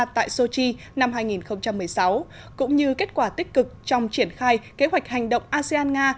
tại sochi năm hai nghìn một mươi sáu cũng như kết quả tích cực trong triển khai kế hoạch hành động asean nga